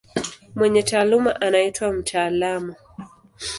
Mwenye taaluma anaitwa mtaalamu.